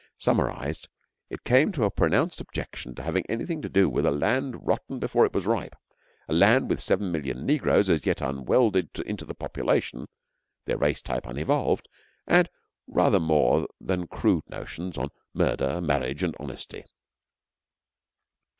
Summarised it came to a pronounced objection to having anything to do with a land rotten before it was ripe, a land with seven million negroes as yet unwelded into the population, their race type unevolved, and rather more than crude notions on murder, marriage, and honesty.